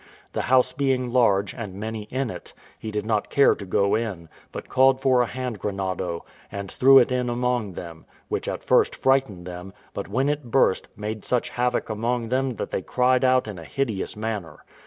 The house being large, and many in it, he did not care to go in, but called for a hand grenado, and threw it among them, which at first frightened them, but, when it burst, made such havoc among them that they cried out in a hideous manner.